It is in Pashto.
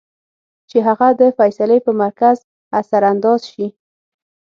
چې هغه د فېصلې پۀ مرکز اثر انداز شي -